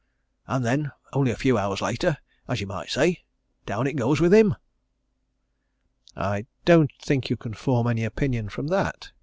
And then only a few hours later, as you might say, down it goes with him!" "I don't think you can form any opinion from that!"